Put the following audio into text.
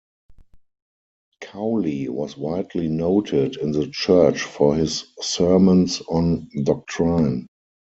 Cowley was widely noted in the church for his sermons on doctrine.